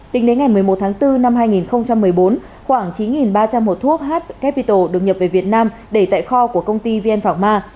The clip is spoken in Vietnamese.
tính đến ngày một mươi một tháng bốn năm hai nghìn một mươi bốn khoảng chín ba trăm linh hộp thuốc h capital được nhập về việt nam để tại kho của công ty vn phạc ma